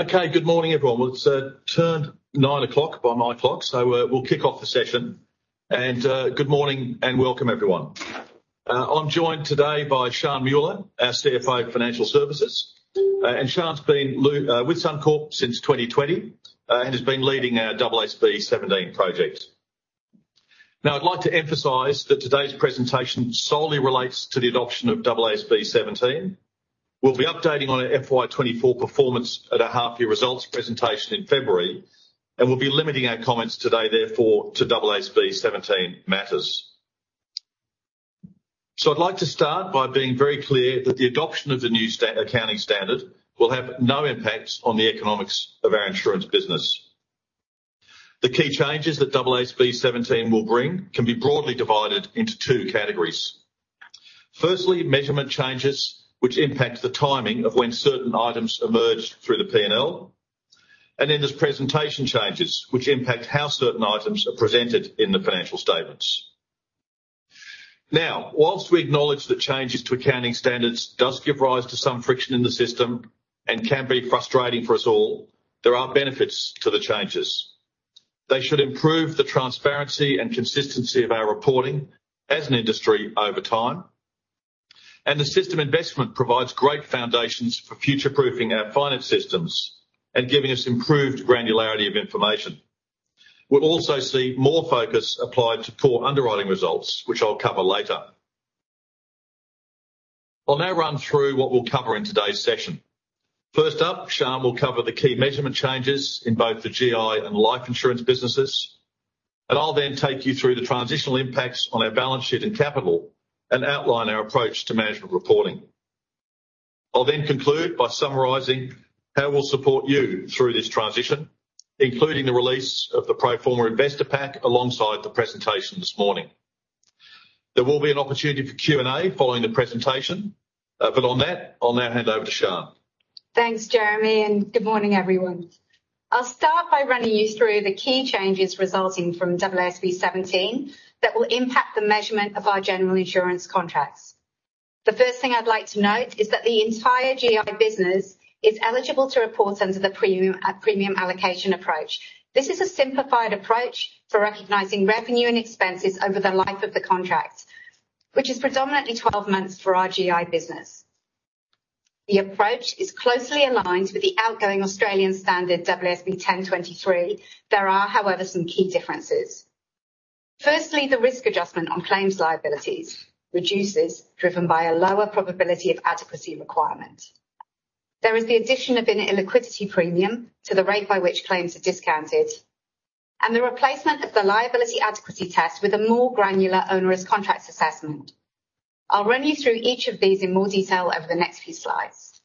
Okay, good morning, everyone. Well, it's turned 9:00 A.M. by my clock, so we'll kick off the session. Good morning, and welcome, everyone. I'm joined today by Sian Mueller, our CFO of Financial Services. And Sian's been with Suncorp since 2020, and has been leading our AASB 17 project. Now, I'd like to emphasize that today's presentation solely relates to the adoption of AASB 17. We'll be updating on our FY 2024 performance at our half-year results presentation in February, and we'll be limiting our comments today, therefore, to AASB 17 matters. So I'd like to start by being very clear that the adoption of the new accounting standard will have no impacts on the economics of our insurance business. The key changes that AASB 17 will bring can be broadly divided into two categories. Firstly, measurement changes, which impact the timing of when certain items emerge through the P&L. And then there's presentation changes, which impact how certain items are presented in the financial statements. Now, whilst we acknowledge that changes to accounting standards does give rise to some friction in the system and can be frustrating for us all, there are benefits to the changes. They should improve the transparency and consistency of our reporting as an industry over time, and the system investment provides great foundations for future-proofing our finance systems and giving us improved granularity of information. We'll also see more focus applied to poor underwriting results, which I'll cover later. I'll now run through what we'll cover in today's session. First up, Sian will cover the key measurement changes in both the GI and life insurance businesses, and I'll then take you through the transitional impacts on our balance sheet and capital and outline our approach to management reporting. I'll then conclude by summarizing how we'll support you through this transition, including the release of the pro forma investor pack alongside the presentation this morning. There will be an opportunity for Q&A following the presentation, but on that, I'll now hand over to Sian. Thanks, Jeremy, and good morning, everyone. I'll start by running you through the key changes resulting from AASB 17 that will impact the measurement of our general insurance contracts. The first thing I'd like to note is that the entire GI business is eligible to report under the premium allocation approach. This is a simplified approach for recognizing revenue and expenses over the life of the contract, which is predominantly 12 months for our GI business. The approach is closely aligned with the outgoing Australian standard AASB 1023. There are, however, some key differences. Firstly, the risk adjustment on claims liabilities reduces, driven by a lower probability of adequacy requirement. There is the addition of an illiquidity premium to the rate by which claims are discounted and the replacement of the liability adequacy test with a more granular onerous contracts assessment. I'll run you through each of these in more detail over the next few slides.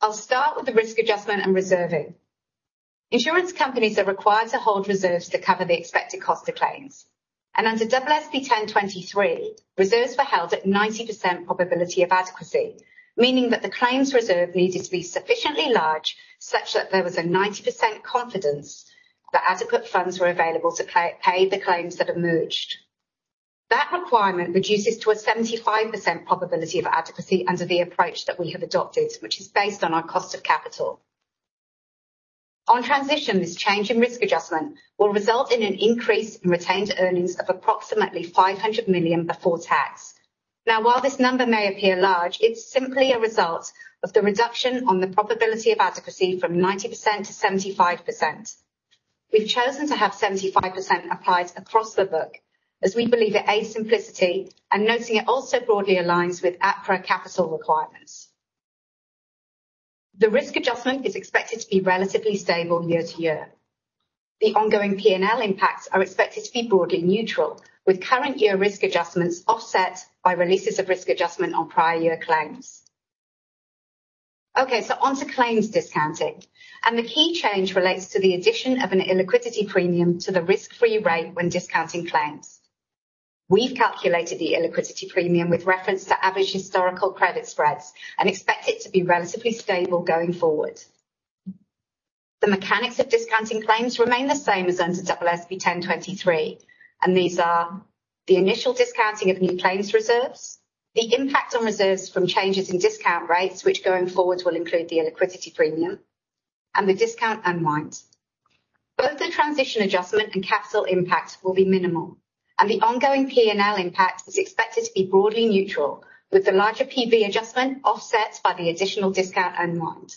I'll start with the risk adjustment and reserving. Insurance companies are required to hold reserves that cover the expected cost of claims, and under AASB 1023, reserves were held at 90% probability of adequacy, meaning that the claims reserve needed to be sufficiently large, such that there was a 90% confidence that adequate funds were available to pay the claims that emerged. That requirement reduces to a 75% probability of adequacy under the approach that we have adopted, which is based on our cost of capital. On transition, this change in risk adjustment will result in an increase in retained earnings of approximately 500 million before tax. Now, while this number may appear large, it's simply a result of the reduction on the probability of adequacy from 90% to 75%. We've chosen to have 75% applied across the book, as we believe it aids simplicity, and noting it also broadly aligns with APRA capital requirements. The risk adjustment is expected to be relatively stable year to year. The ongoing P&L impacts are expected to be broadly neutral, with current year risk adjustments offset by releases of risk adjustment on prior year claims. Okay, so on to claims discounting, and the key change relates to the addition of an illiquidity premium to the risk-free rate when discounting claims. We've calculated the illiquidity premium with reference to average historical credit spreads and expect it to be relatively stable going forward. The mechanics of discounting claims remain the same as under AASB 1023, and these are the initial discounting of new claims reserves, the impact on reserves from changes in discount rates, which going forward will include the illiquidity premium, and the discount unwind. Both the transition adjustment and capital impact will be minimal, and the ongoing P&L impact is expected to be broadly neutral, with the larger PV adjustment offsets by the additional discount unwind.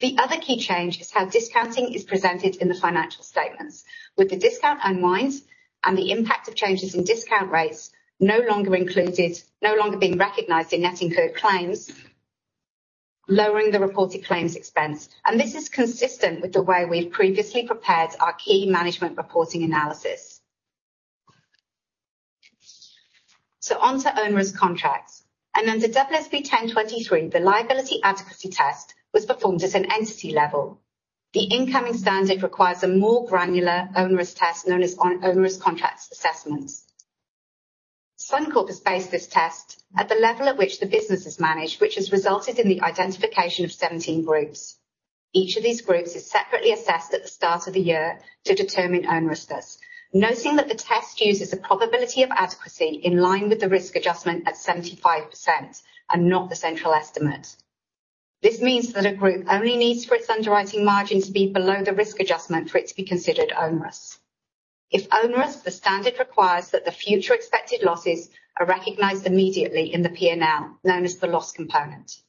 The other key change is how discounting is presented in the financial statements, with the discount unwind and the impact of changes in discount rates no longer included, no longer being recognized in net incurred claims, lowering the reported claims expense. This is consistent with the way we've previously prepared our key management reporting analysis. So on to onerous contracts, and under AASB 1023, the liability adequacy test was performed at an entity level. The incoming standard requires a more granular onerous test known as onerous contracts assessments. Suncorp has based this test at the level at which the business is managed, which has resulted in the identification of 17 groups. Each of these groups is separately assessed at the start of the year to determine onerousness. Noting that the test uses a probability of adequacy in line with the risk adjustment at 75% and not the central estimate. This means that a group only needs for its underwriting margin to be below the risk adjustment for it to be considered onerous. If onerous, the standard requires that the future expected losses are recognized immediately in the PNL, known as the loss component.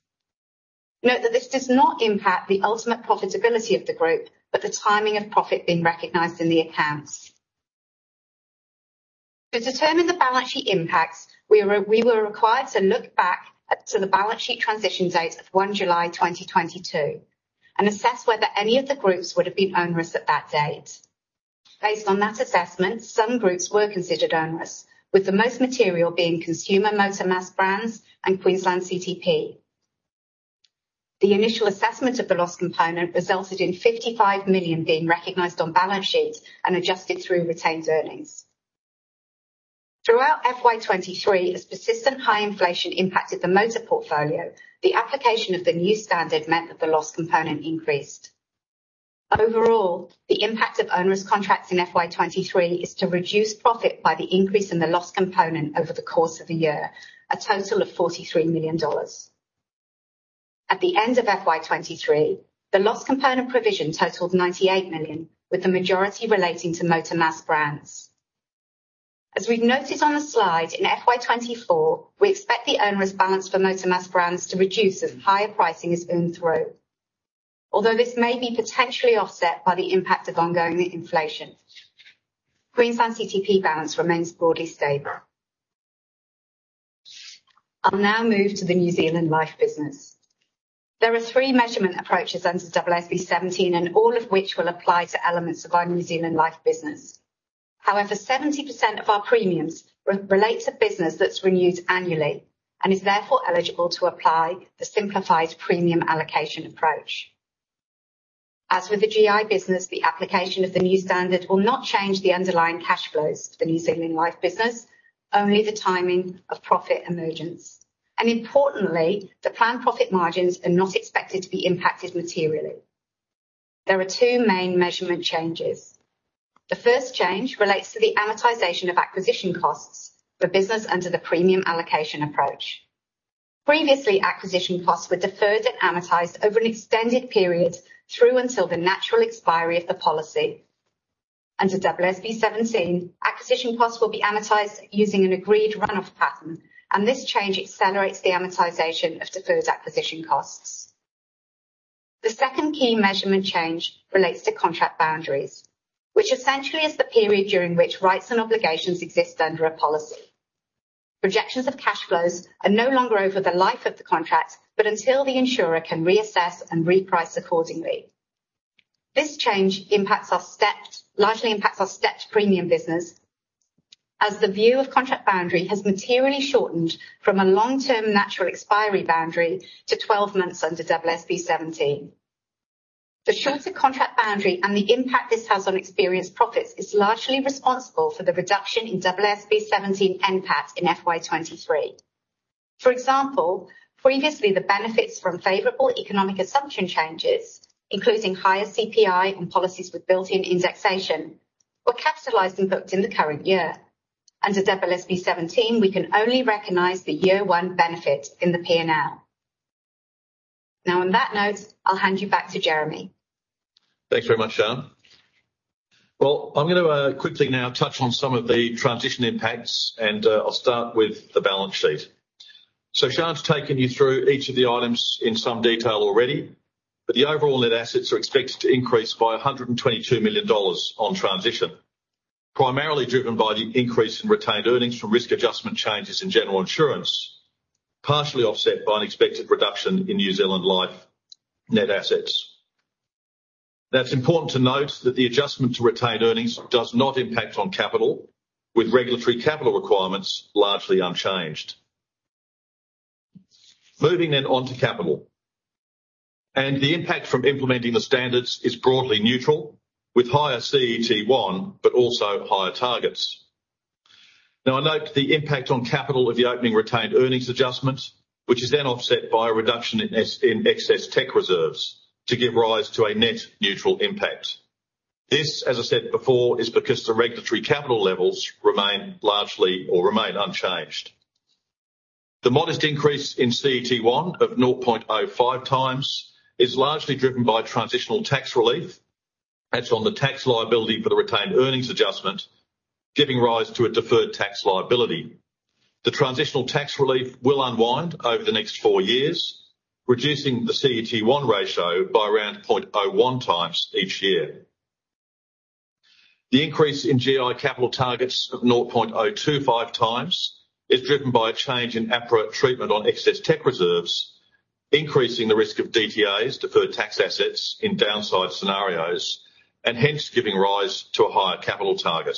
Note that this does not impact the ultimate profitability of the group, but the timing of profit being recognized in the accounts. To determine the balance sheet impacts, we were required to look back to the balance sheet transition date of 1st July 2022, and assess whether any of the groups would have been onerous at that date. Based on that assessment, some groups were considered onerous, with the most material being Consumer Motor Mass Brands and Queensland CTP. The initial assessment of the loss component resulted in 55 million being recognized on balance sheet and adjusted through retained earnings. Throughout FY 2023, as persistent high inflation impacted the motor portfolio, the application of the new standard meant that the loss component increased. Overall, the impact of onerous contracts in FY 2023 is to reduce profit by the increase in the loss component over the course of the year, a total of 43 million dollars. At the end of FY 2023, the loss component provision totaled 98 million, with the majority relating to Motor Mass Brands. As we've noted on the slide, in FY 2024, we expect the onerous balance for Motor Mass Brands to reduce as higher pricing is earned through, although this may be potentially offset by the impact of ongoing inflation. Queensland CTP balance remains broadly stable. I'll now move to the New Zealand Life business. There are three measurement approaches under AASB 17, and all of which will apply to elements of our New Zealand Life business. However, 70% of our premiums relate to business that's renewed annually and is therefore eligible to apply the simplified premium allocation approach. As with the GI business, the application of the new standard will not change the underlying cash flows for the New Zealand Life business, only the timing of profit emergence. Importantly, the planned profit margins are not expected to be impacted materially. There are two main measurement changes. The first change relates to the amortization of acquisition costs for business under the premium allocation approach. Previously, acquisition costs were deferred and amortized over an extended period through until the natural expiry of the policy. Under AASB 17, acquisition costs will be amortized using an agreed run-off pattern, and this change accelerates the amortization of deferred acquisition costs. The second key measurement change relates to contract boundaries, which essentially is the period during which rights and obligations exist under a policy. Projections of cash flows are no longer over the life of the contract, but until the insurer can reassess and reprice accordingly. This change largely impacts our stepped premium business, as the view of contract boundary has materially shortened from a long-term natural expiry boundary to 12 months under AASB 17. The shorter contract boundary and the impact this has on experienced profits is largely responsible for the reduction in AASB 17 NPAT in FY 2023. For example, previously, the benefits from favorable economic assumption changes, including higher CPI and policies with built-in indexation, were capitalized and booked in the current year. Under AASB 17, we can only recognize the year one benefit in the PNL. Now, on that note, I'll hand you back to Jeremy. Thanks very much, Sharan. Well, I'm going to quickly now touch on some of the transition impacts, and I'll start with the balance sheet. So Sharan's taken you through each of the items in some detail already, but the overall net assets are expected to increase by 122 million dollars on transition, primarily driven by the increase in retained earnings from risk adjustment changes in general insurance, partially offset by an expected reduction in New Zealand Life net assets. Now, it's important to note that the adjustment to retained earnings does not impact on capital, with regulatory capital requirements largely unchanged. Moving then on to capital, and the impact from implementing the standards is broadly neutral, with higher CET1, but also higher targets. Now, I note the impact on capital of the opening retained earnings adjustment, which is then offset by a reduction in excess tech reserves to give rise to a net neutral impact. This, as I said before, is because the regulatory capital levels remain largely unchanged. The modest increase in CET1 of 0.05x is largely driven by transitional tax relief. That's on the tax liability for the retained earnings adjustment, giving rise to a deferred tax liability. The transitional tax relief will unwind over the next four years, reducing the CET1 ratio by around 0.01x each year. The increase in GI capital targets of 0.025x is driven by a change in appropriate treatment on excess technical reserves, increasing the risk of DTAs, deferred tax assets, in downside scenarios, and hence giving rise to a higher capital target.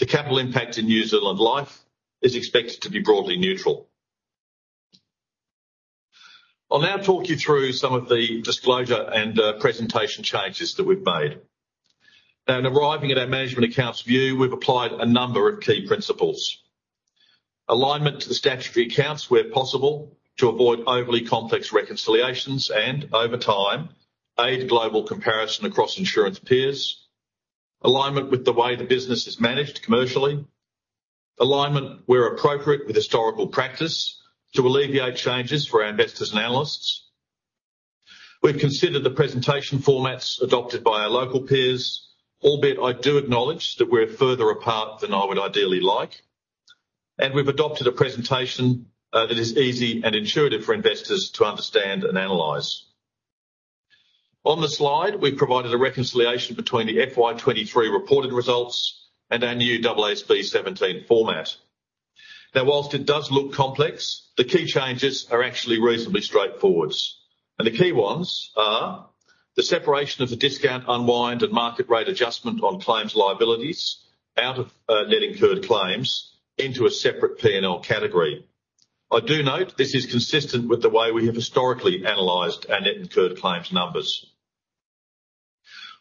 The capital impact in New Zealand Life is expected to be broadly neutral. I'll now talk you through some of the disclosure and presentation changes that we've made. Now, in arriving at our management accounts view, we've applied a number of key principles.... alignment to the statutory accounts where possible, to avoid overly complex reconciliations, and over time, aid global comparison across insurance peers. Alignment with the way the business is managed commercially. Alignment, where appropriate, with historical practice to alleviate changes for our investors and analysts. We've considered the presentation formats adopted by our local peers, albeit I do acknowledge that we're further apart than I would ideally like, and we've adopted a presentation that is easy and intuitive for investors to understand and analyze. On the slide, we've provided a reconciliation between the FY 2023 reported results and our new AASB 17 format. Now, while it does look complex, the key changes are actually reasonably straightforward, and the key ones are the separation of the discount unwind and market rate adjustment on claims liabilities out of net incurred claims into a separate P&L category. I do note this is consistent with the way we have historically analyzed our net incurred claims numbers.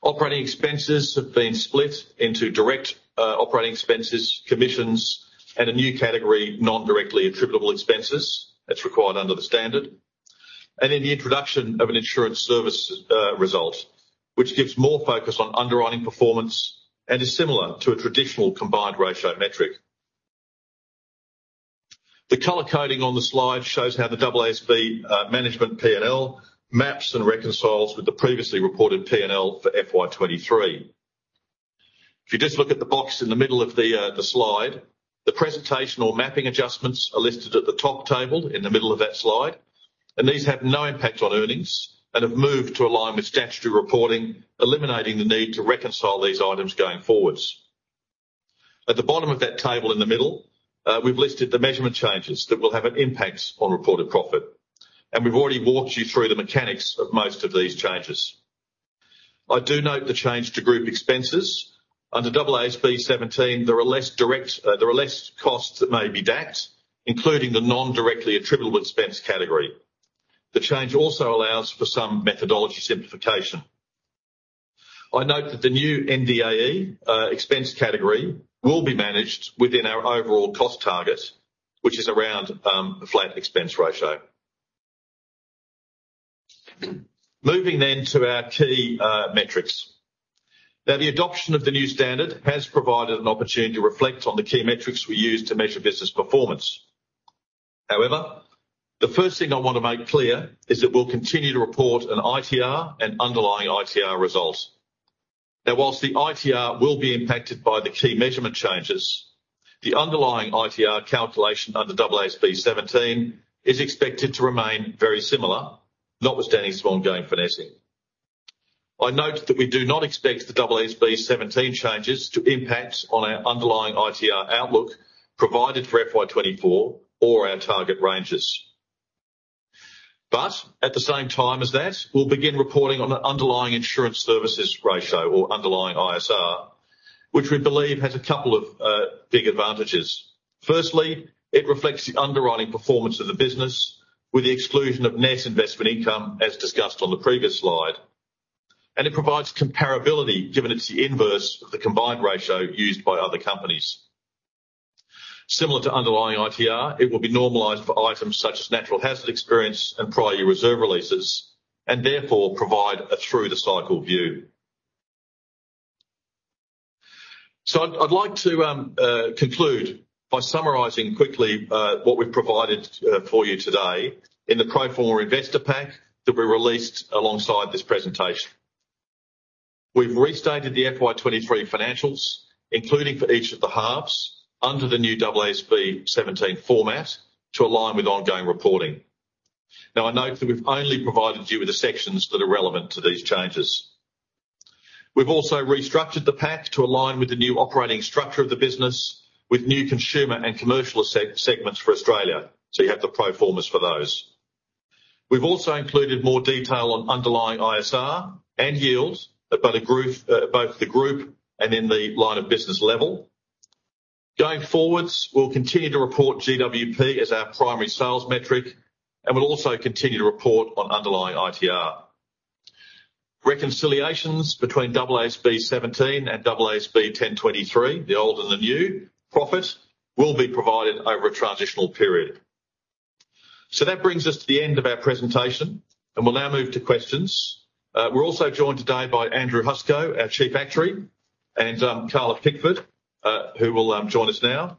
Operating expenses have been split into direct operating expenses, commissions, and a new category, non-directly attributable expenses, that's required under the standard. In the introduction of an Insurance Service Result, which gives more focus on underwriting performance and is similar to a traditional Combined Ratio metric. The color coding on the slide shows how the AASB management P&L maps and reconciles with the previously reported P&L for FY 2023. If you just look at the box in the middle of the slide, the presentation or mapping adjustments are listed at the top table in the middle of that slide, and these have no impact on earnings and have moved to align with statutory reporting, eliminating the need to reconcile these items going forwards. At the bottom of that table in the middle, we've listed the measurement changes that will have an impact on reported profit, and we've already walked you through the mechanics of most of these changes. I do note the change to group expenses. Under AASB 17, there are less direct, there are less costs that may be DAC'd, including the non-directly attributable expense category. The change also allows for some methodology simplification. I note that the new NDAE expense category will be managed within our overall cost target, which is around a flat expense ratio. Moving then to our key metrics. Now, the adoption of the new standard has provided an opportunity to reflect on the key metrics we use to measure business performance. However, the first thing I want to make clear is that we'll continue to report an ITR and underlying ITR result. Now, whilst the ITR will be impacted by the key measurement changes, the underlying ITR calculation under AASB 17 is expected to remain very similar, notwithstanding some ongoing finessing. I note that we do not expect the AASB 17 changes to impact on our underlying ITR outlook provided for FY 2024 or our target ranges. But at the same time as that, we'll begin reporting on the underlying insurance services ratio or underlying ISR, which we believe has a couple of big advantages. Firstly, it reflects the underwriting performance of the business with the exclusion of net investment income, as discussed on the previous slide. And it provides comparability, given it's the inverse of the combined ratio used by other companies. Similar to underlying ITR, it will be normalized for items such as natural hazard experience and prior year reserve releases, and therefore provide a through the cycle view. So I'd like to conclude by summarizing quickly what we've provided for you today in the pro forma investor pack that we released alongside this presentation. We've restated the FY 2023 financials, including for each of the halves, under the new AASB 17 format, to align with ongoing reporting. Now, I note that we've only provided you with the sections that are relevant to these changes. We've also restructured the pack to align with the new operating structure of the business, with new consumer and commercial segments for Australia, so you have the pro formas for those. We've also included more detail on underlying ISR and yield, but by the group, both the group and in the line of business level. Going forwards, we'll continue to report GWP as our primary sales metric, and we'll also continue to report on underlying ITR. Reconciliations between AASB 17 and AASB 1023, the old and the new profit, will be provided over a transitional period. So that brings us to the end of our presentation, and we'll now move to questions. We're also joined today by Andrew Huszczo, our Chief Actuary, and Carla Pickford, who will join us now.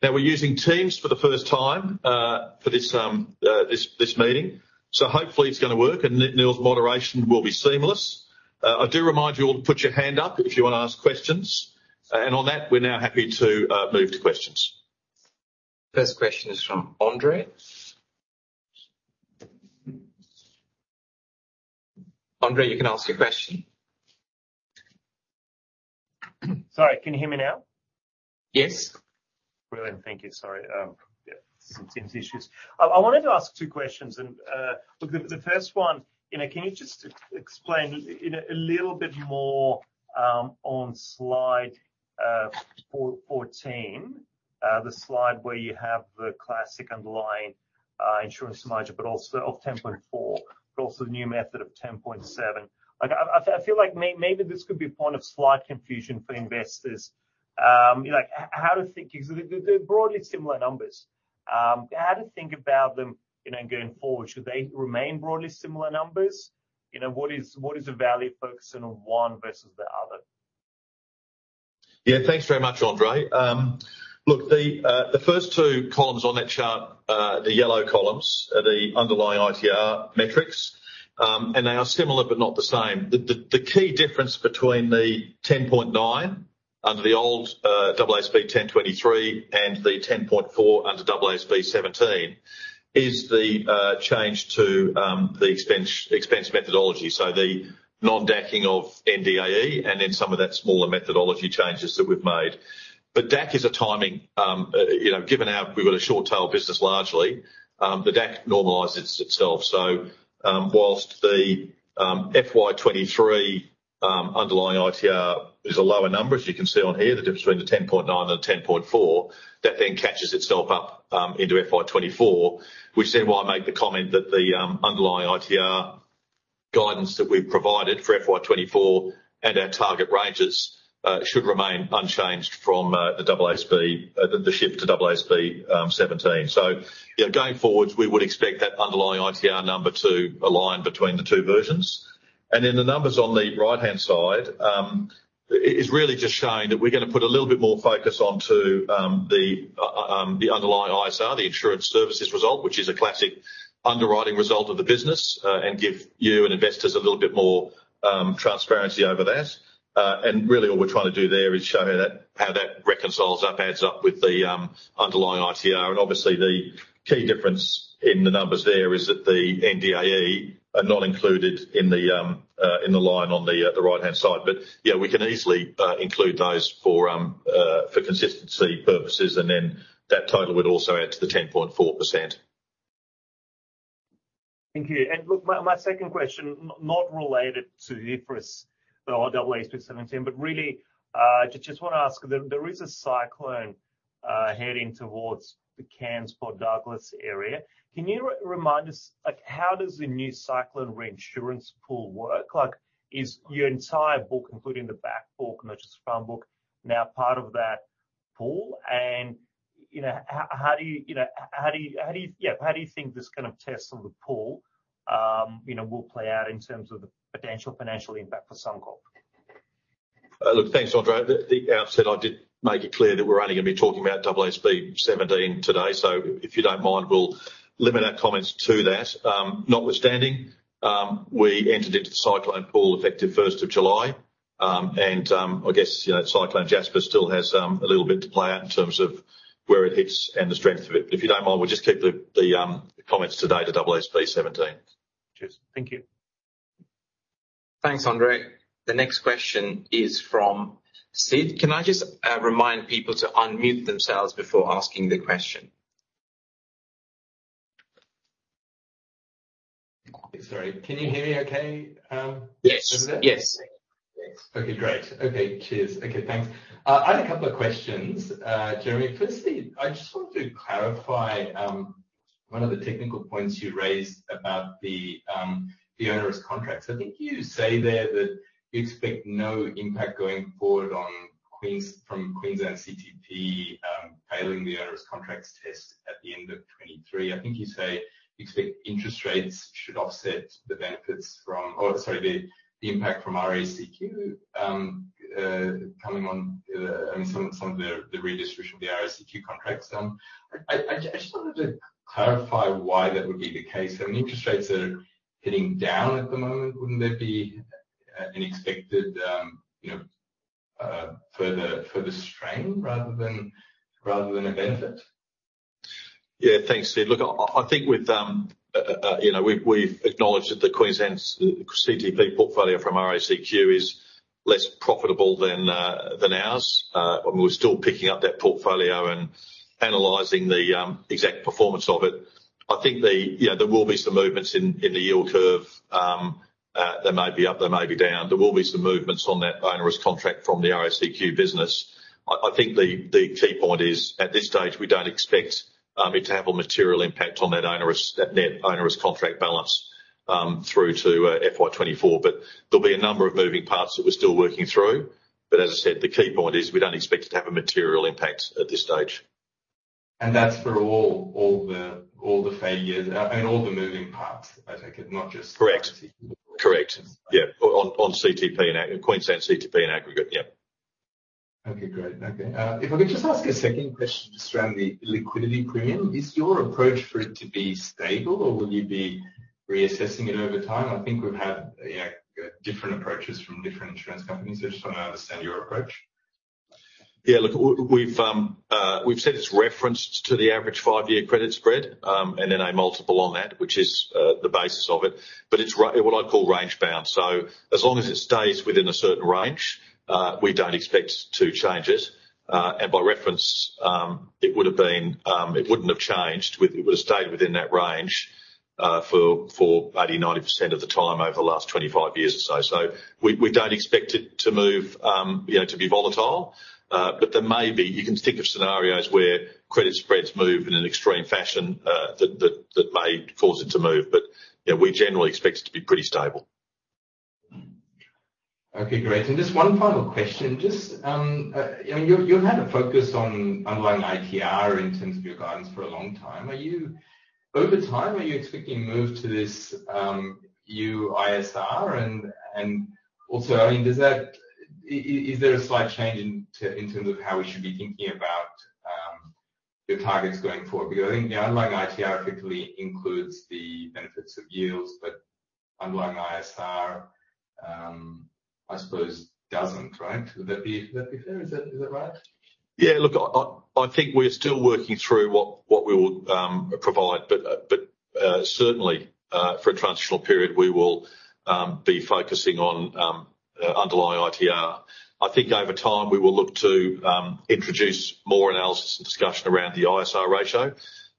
Now, we're using Teams for the first time for this meeting, so hopefully it's gonna work and Neil's moderation will be seamless. I do remind you all to put your hand up if you want to ask questions, and on that, we're now happy to move to questions. First question is from Andre. Andre, you can ask your question. Sorry, can you hear me now? Yes. Brilliant. Thank you. Sorry, yeah, some Teams issues. I wanted to ask two questions and, look, the first one, you know, can you just explain in a little bit more on slide 414, the slide where you have the classic underlying insurance margin, but also of 10.4, but also the new measure of 10.7. Like, I feel like maybe this could be a point of slight confusion for investors. Like, how to think, because they're broadly similar numbers. How to think about them, you know, going forward, should they remain broadly similar numbers? You know, what is the value of focusing on one versus the other? Yeah. Thanks very much, Andre. Look, the first two columns on that chart, the yellow columns are the underlying ITR metrics, and they are similar, but not the same. The key difference between the 10.9 under the old AASB 1023 and the 10.4 under AASB 17 is the change to the expense, expense methodology. The non-decking of NDAE, and then some of that smaller methodology changes that we've made. But DAC is a timing. You know, given how we've got a short tail business largely, the DAC normalizes itself. Whilst the FY 2023 underlying ITR is a lower number, as you can see on here, the difference between the 10.9 and the 10.4, that then catches itself up into FY 2024. Which is then why I make the comment that the underlying ITR guidance that we've provided for FY24 and our target ranges should remain unchanged from the AASB, the shift to AASB 17. So, you know, going forward, we would expect that underlying ITR number to align between the two versions. And then the numbers on the right-hand side is really just showing that we're gonna put a little bit more focus onto the underlying ISR, the insurance services result, which is a classic underwriting result of the business, and give you and investors a little bit more transparency over that. And really, all we're trying to do there is show how that reconciles up, adds up with the underlying ITR. And obviously, the key difference in the numbers there is that the NDAE are not included in the line on the right-hand side. But yeah, we can easily include those for consistency purposes, and then that total would also add to the 10.4%. Thank you. And look, my second question, not related to IFRS, or AASB 17, but really, just want to ask, there is a cyclone heading towards the Cairns Port Douglas area. Can you remind us, like, how does the new cyclone reinsurance pool work? Like, is your entire book, including the back book, not just front book, now part of that pool? And, you know, how do you, you know, how do you, how do you... Yeah, how do you think this kind of test on the pool, you know, will play out in terms of the potential financial impact for Suncorp? Look, thanks, Andrew. Like I said, I did make it clear that we're only gonna be talking about AASB 17 today, so if you don't mind, we'll limit our comments to that. Notwithstanding, we entered into the cyclone pool effective first of July. And I guess, you know, Cyclone Jasper still has a little bit to play out in terms of where it hits and the strength of it. But if you don't mind, we'll just keep the comments today to AASB 17. Cheers. Thank you. Thanks, Andre. The next question is from Sid. Can I just remind people to unmute themselves before asking the question? Sorry, can you hear me okay? Yes. Over there? Yes. Okay, great. Okay, cheers. Okay, thanks. I had a couple of questions, Jeremy. Firstly, I just wanted to clarify one of the technical points you raised about the onerous contracts. I think you say there that you expect no impact going forward on Queensland CTP failing the onerous contracts test at the end of 2023. I think you say you expect interest rates should offset the benefits from... Oh, sorry, the impact from RACQ coming on the, I mean, some of the redistribution of the RACQ contracts. I just wanted to clarify why that would be the case. I mean, interest rates are heading down at the moment. Wouldn't there be an expected, you know, further strain rather than a benefit? Yeah. Thanks, Sid. Look, I think with you know, we've acknowledged that the Queensland's CTP portfolio from RACQ is less profitable than ours. And we're still picking up that portfolio and analyzing the exact performance of it. I think. You know, there will be some movements in the yield curve. They may be up, they may be down. There will be some movements on that onerous contract from the RACQ business. I think the key point is, at this stage, we don't expect it to have a material impact on that onerous, that net onerous contract balance, through to FY 2024. But there'll be a number of moving parts that we're still working through. But as I said, the key point is we don't expect it to have a material impact at this stage. And that's for all the failures and all the moving parts, I take it, not just- Correct. Correct. Yeah. On CTP and... Queensland CTP and aggregate. Yeah. Okay, great. Okay. If I could just ask a second question just around the illiquidity premium. Is your approach for it to be stable, or will you be reassessing it over time? I think we've had, you know, different approaches from different insurance companies. I just want to understand your approach. Yeah, look, we've said it's referenced to the average five-year credit spread, and then a multiple on that, which is the basis of it, but it's what I'd call range-bound. So as long as it stays within a certain range, we don't expect to change it. And by reference, it would have been... It wouldn't have changed, it would have stayed within that range for 80%-90% of the time over the last 25 years or so. So we don't expect it to move, you know, to be volatile. But there may be, you can think of scenarios where credit spreads move in an extreme fashion, that may force it to move, but yeah, we generally expect it to be pretty stable. Okay, great. And just one final question: just, you know, you've had a focus on underlying ITR in terms of your guidance for a long time. Are you over time expecting to move to this new ISR? And also, I mean, does that is there a slight change in terms of how we should be thinking about your targets going forward? Because I think the underlying ITR effectively includes the benefits of yields, but underlying ISR, I suppose, doesn't, right? Would that be fair? Is that right? Yeah, look, I think we're still working through what we will provide, but certainly, for a transitional period, we will be focusing on underlying ITR. I think over time, we will look to introduce more analysis and discussion around the ISR ratio.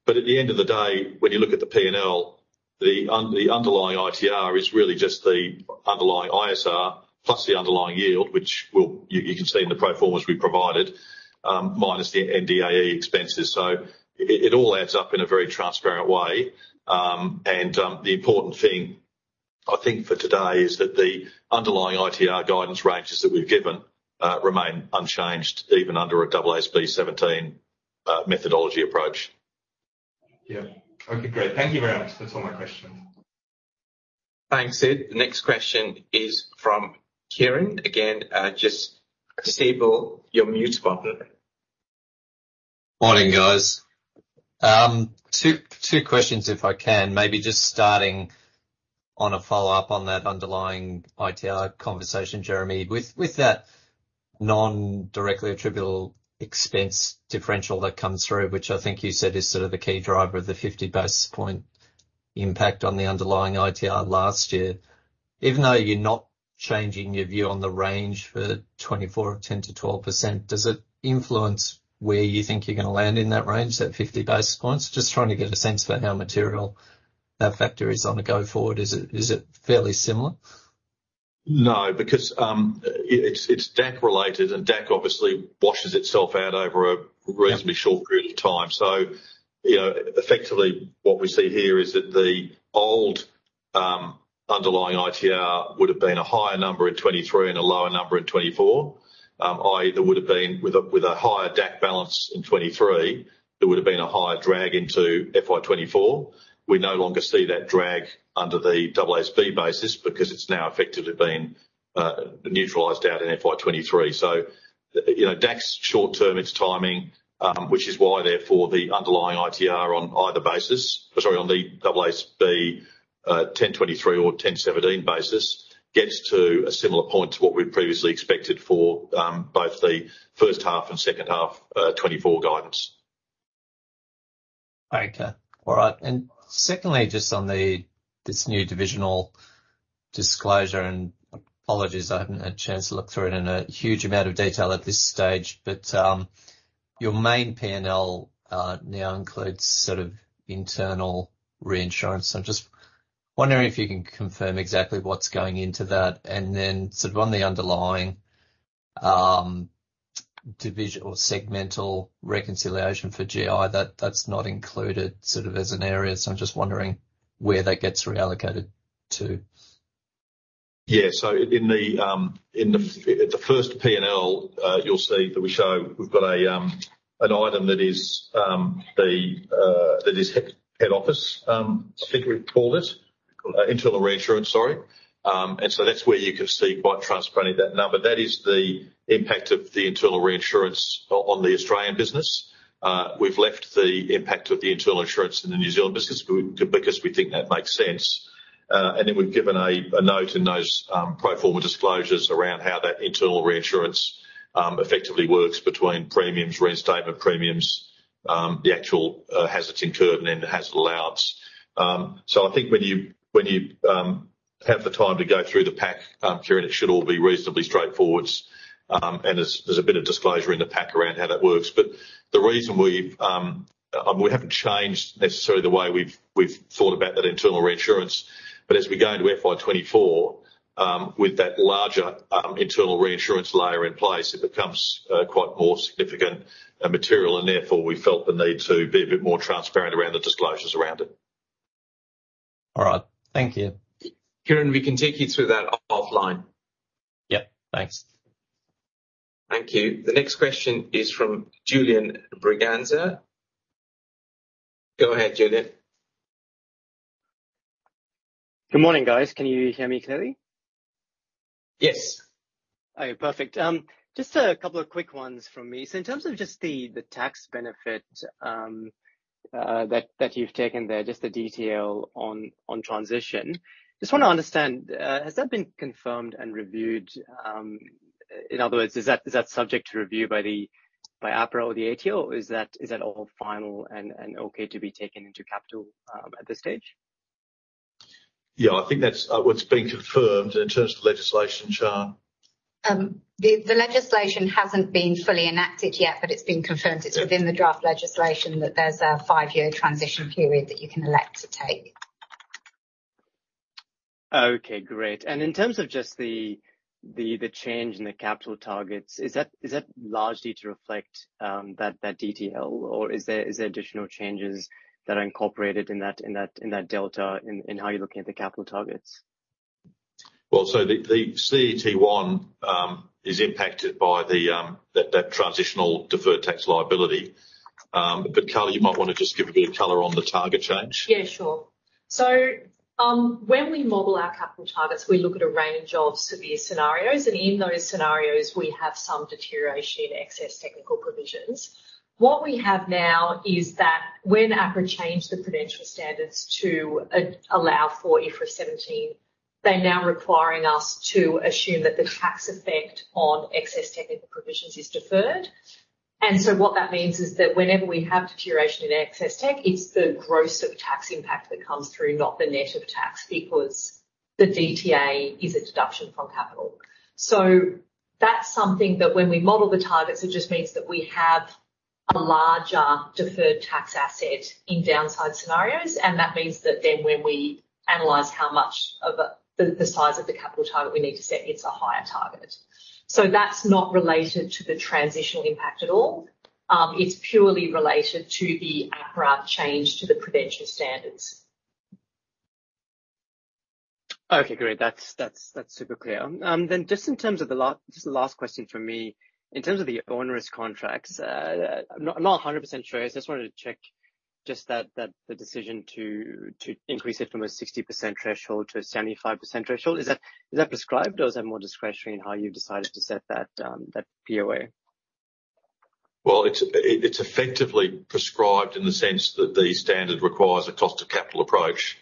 But at the end of the day, when you look at the PNL, the underlying ITR is really just the underlying ISR, plus the underlying yield, which will... You can see in the pro formas we provided, minus the NDAE expenses. So it all adds up in a very transparent way. And the important thing, I think, for today is that the underlying ITR guidance ranges that we've given remain unchanged, even under a AASB 17 methodology approach. Yeah. Okay, great. Thank you very much. That's all my questions. Thanks, Sid. The next question is from Kieran. Again, just disable your mute button. Morning, guys. Two questions, if I can. Maybe just starting on a follow-up on that underlying ITR conversation, Jeremy. With that non-directly attributable expense differential that comes through, which I think you said is sort of the key driver of the 50 basis point impact on the underlying ITR last year. Even though you're not changing your view on the range for 2024 of 10%-12%, does it influence where you think you're gonna land in that range, that 50 basis points? Just trying to get a sense for how material that factor is on the go forward. Is it fairly similar? No, because it's DAC related, and DAC obviously washes itself out over a- Yeah... reasonably short period of time. So, you know, effectively, what we see here is that the old underlying ITR would have been a higher number in 2023 and a lower number in 2024. i.e., there would have been, with a higher DAC balance in 2023, there would have been a higher drag into FY 2024. We no longer see that drag under the AASB basis because it's now effectively been neutralized out in FY 2023. So, you know, DAC's short term, it's timing, which is why therefore, the underlying ITR on either basis... Sorry, on the AASB 1023 or AASB 17 basis, gets to a similar point to what we'd previously expected for both the first half and second half 2024 guidance. Okay. All right. Secondly, just on this new divisional disclosure, and apologies, I haven't had a chance to look through it in a huge amount of detail at this stage. But your main PNL now includes sort of internal reinsurance. So I'm just wondering if you can confirm exactly what's going into that, and then sort of on the underlying division or segmental reconciliation for GI, that's not included sort of as an area. So I'm just wondering where that gets reallocated to? Yeah. So in the, in the, the first PNL, you'll see that we show we've got a, an item that is, the, that is head office, I think we called it. Internal reinsurance, sorry. And so that's where you can see quite transparently, that number. That is the impact of the internal reinsurance on the Australian business. We've left the impact of the internal insurance in the New Zealand business because we think that makes sense. And then we've given a, a note in those, pro forma disclosures around how that internal reinsurance, effectively works between premiums, reinstatement premiums, the actual, hazards incurred, and then the hazard allowance. So I think when you, when you, have the time to go through the pack, Kieran, it should all be reasonably straightforward. And there's a bit of disclosure in the pack around how that works. But the reason we've and we haven't changed necessarily the way we've thought about that internal reinsurance. But as we go into FY 2024, with that larger internal reinsurance layer in place, it becomes quite more significant and material, and therefore, we felt the need to be a bit more transparent around the disclosures around it. All right. Thank you. Kieran, we can take you through that offline. Yeah, thanks. Thank you. The next question is from Julian Braganza. Go ahead, Julian. Good morning, guys. Can you hear me clearly? Yes. Okay, perfect. Just a couple of quick ones from me. So in terms of just the tax benefit that you've taken there, just the detail on transition. Just want to understand, has that been confirmed and reviewed? In other words, is that subject to review by the APRA or the ATO, or is that all final and okay to be taken into capital at this stage?... Yeah, I think that's what's been confirmed in terms of legislation, Sian? The legislation hasn't been fully enacted yet, but it's been confirmed it's within the draft legislation that there's a five-year transition period that you can elect to take. Okay, great. And in terms of just the change in the capital targets, is that largely to reflect that DTL, or is there additional changes that are incorporated in that delta, in how you're looking at the capital targets? Well, so the CET1 is impacted by the transitional deferred tax liability. But, Carly, you might want to just give a bit of color on the target change. Yeah, sure. So, when we model our capital targets, we look at a range of severe scenarios, and in those scenarios, we have some deterioration in excess technical provisions. What we have now is that when APRA changed the Prudential Standards to allow for IFRS 17, they're now requiring us to assume that the tax effect on excess technical provisions is deferred. And so what that means is that whenever we have deterioration in excess tech, it's the gross of tax impact that comes through, not the net of tax, because the DTA is a deduction from capital. So that's something that when we model the targets, it just means that we have a larger deferred tax asset in downside scenarios, and that means that then when we analyze how much of the size of the capital target we need to set, it's a higher target. That's not related to the transitional impact at all. It's purely related to the APRA change to the Prudential Standards. Okay, great. That's, that's, that's super clear. Then just in terms of the last question from me. In terms of the onerous contracts, I'm not, I'm not 100% sure. I just wanted to check just that, that the decision to, to increase it from a 60% threshold to a 75% threshold, is that, is that prescribed, or is that more discretionary in how you've decided to set that, that POA? Well, it's effectively prescribed in the sense that the standard requires a cost of capital approach.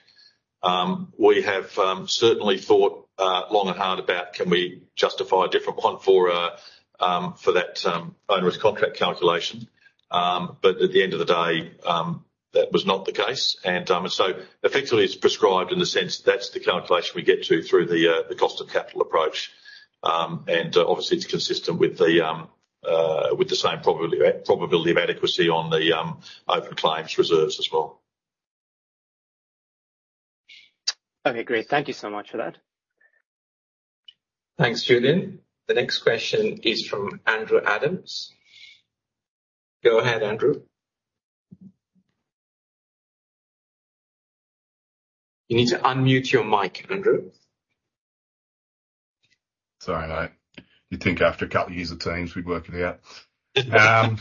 We have certainly thought long and hard about can we justify a different point for that onerous contract calculation. But at the end of the day, that was not the case. And so effectively, it's prescribed in the sense that's the calculation we get to through the cost of capital approach. And obviously, it's consistent with the same probability of adequacy on the open claims reserves as well. Okay, great. Thank you so much for that. Thanks, Julian. The next question is from Andrew Adams. Go ahead, Andrew. You need to unmute your mic, Andrew. Sorry about it. You'd think after a couple of years of Teams, we'd work it out.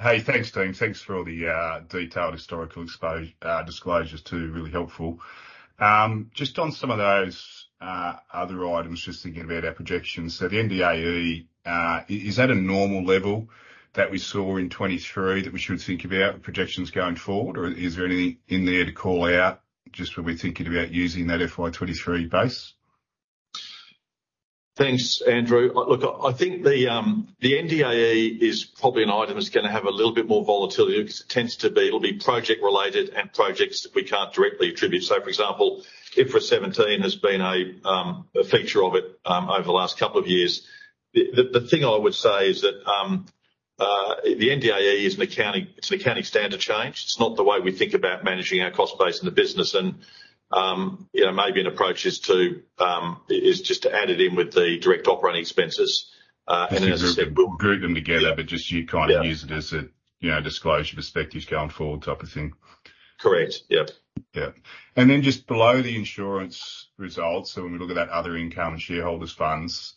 Hey, thanks, team. Thanks for all the detailed historical disclosures too, really helpful. Just on some of those other items, just thinking about our projections. So the NDAE is that a normal level that we saw in 2023 that we should think about projections going forward, or is there anything in there to call out just when we're thinking about using that FY 2023 base? Thanks, Andrew. Look, I think the NDAE is probably an item that's gonna have a little bit more volatility because it tends to be... It'll be project-related and projects that we can't directly attribute. So for example, IFRS 17 has been a feature of it over the last couple of years. The thing I would say is that the NDAE is an accounting, it's an accounting standard change. It's not the way we think about managing our cost base in the business. And you know, maybe an approach is to just to add it in with the direct operating expenses, and as I said- Group them together, but just you kind of- Yeah.... use it as a, you know, disclosure perspectives going forward type of thing. Correct. Yep. Yeah. And then just below the insurance results, so when we look at that other income and shareholders' funds,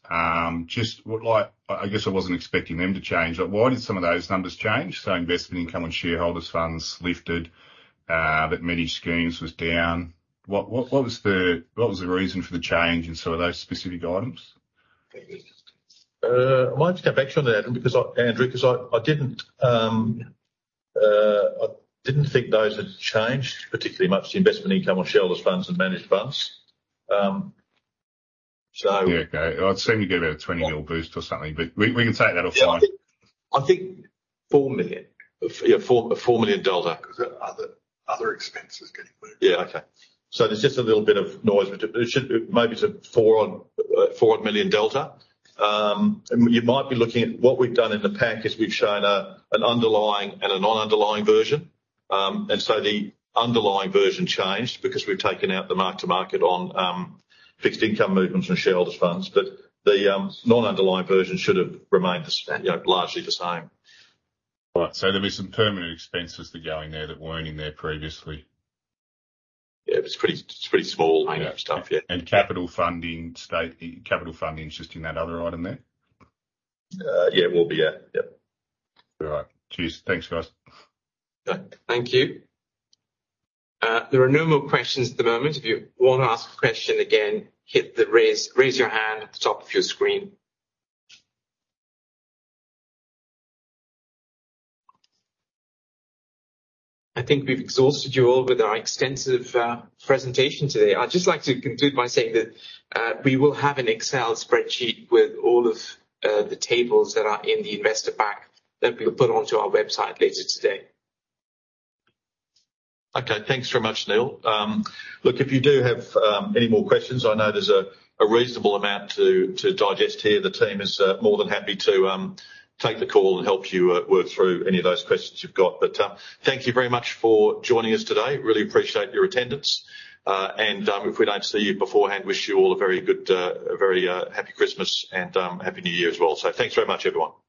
just what like... I guess I wasn't expecting them to change. Like, why did some of those numbers change? So investment income on shareholders' funds lifted, but managed schemes was down. What was the reason for the change in some of those specific items? I might just come back to you on that, Andrew, because I didn't think those had changed particularly much, the investment income on shareholders' funds and managed funds. So- Yeah, okay. I'd seen you give it an 20 million boost or something, but we, we can take that offline. I think 4 million, yeah, 4 million dollars delta because there are other, other expenses getting put in. Yeah, okay. So there's just a little bit of noise, which it should maybe be 4-odd million delta. And you might be looking at... What we've done in the pack is we've shown a, an underlying and a non-underlying version. And so the underlying version changed because we've taken out the mark-to-market on fixed income movements and shareholders' funds. But the non-underlying version should have remained the, you know, largely the same. Right. So there'll be some permanent expenses to go in there that weren't in there previously? Yeah, it's pretty small- Yeah... stuff. Yeah. Capital funding state, capital funding just in that other item there? Yeah, it will be, yeah. Yep. All right. Cheers. Thanks, guys. Yeah, thank you. There are no more questions at the moment. If you want to ask a question again, hit the raise your hand at the top of your screen. I think we've exhausted you all with our extensive presentation today. I'd just like to conclude by saying that we will have an Excel spreadsheet with all of the tables that are in the investor pack that we'll put onto our website later today. Okay, thanks very much, Neil. Look, if you do have any more questions, I know there's a reasonable amount to digest here. The team is more than happy to take the call and help you work through any of those questions you've got. But thank you very much for joining us today. Really appreciate your attendance, and if we don't see you beforehand, wish you all a very happy Christmas and happy New Year as well. So thanks very much, everyone.